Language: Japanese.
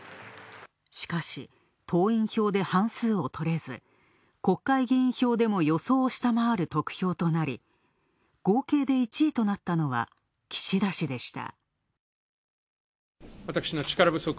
しかし、党員票で半数をとれず国会議員票でも予想を下回る得票となり、合計で１位となったのは岸田氏でした。